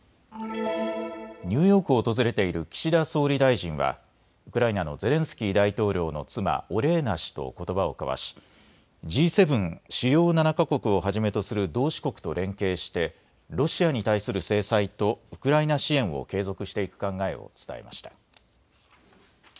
ニューヨークを訪れている岸田総理大臣はウクライナのゼレンスキー大統領の妻、オレーナ氏とことばを交わしＧ７・主要７か国をはじめとする同志国と連携してロシアに対する制裁とウクライナ支援を継続していく考えを伝えました。